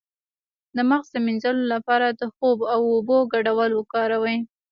د مغز د مینځلو لپاره د خوب او اوبو ګډول وکاروئ